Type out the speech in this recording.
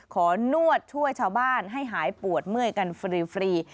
นวดช่วยชาวบ้านให้หายปวดเมื่อยกันฟรี